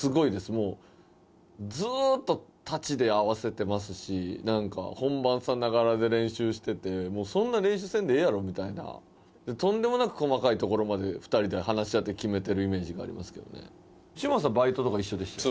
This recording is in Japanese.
もうずーっと立ちで合わせてますし何か本番さながらで練習しててもうそんな練習せんでええやろみたいなとんでもなく細かいところまで２人で話し合って決めてるイメージがありますけどね嶋佐バイトとか一緒でしたよ